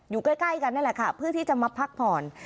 อยู่ใกล้กันนั่นแหละค่ะเพื่อที่จะมาพักผ่อน